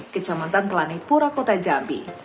kecamatan telani pura kota jambi